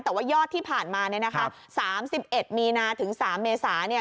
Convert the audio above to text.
แต่ว่ายอดที่ผ่านมาเนี้ยนะคะสามสิบเอ็ดมีนาถึงสามเมษาเนี้ย